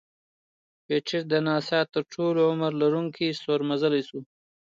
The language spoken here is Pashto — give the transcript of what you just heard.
پېټټ د ناسا تر ټولو عمر لرونکی ستور مزلی شو.